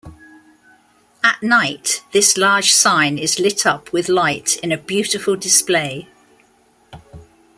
At night, this large sign is lit up with light in a beautiful display.